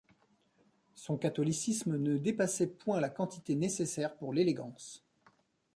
Son catholicisme ne dépassait point la quantité nécessaire pour l’élégance.